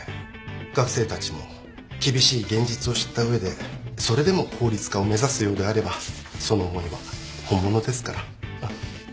学生たちも厳しい現実を知った上でそれでも法律家を目指すようであればその思いは本物ですから。